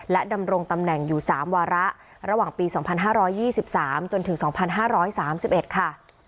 ดำรงตำแหน่งอยู่๓วาระระหว่างปี๒๕๒๓จนถึง๒๕๓๑ค่ะ